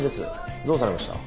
どうされました？